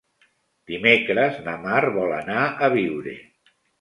Dimecres na Mar vol anar a Biure.